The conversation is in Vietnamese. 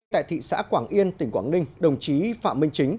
tại thị xã quảng yên tỉnh quảng ninh đồng chí phạm minh chính